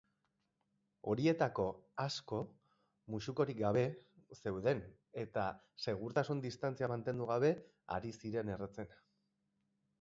Horietariko asko musukorik gabe zeuden eta segurtasun-distantzia mantendu gabe ari ziren erretzen.